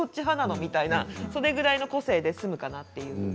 みたいなそれくらいの個性で済むかなと。